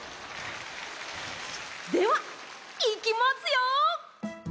ではいきますよ。